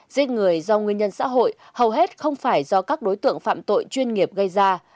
giết người do nguyên nhân xã hội hầu hết không phải do các đối tượng phạm tội chuyên nghiệp gây ra